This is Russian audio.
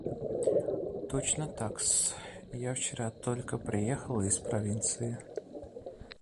– Точно так-с: я вчера только приехала из провинции.